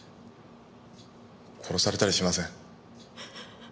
殺されたりしません。